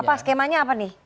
apa skemanya apa nih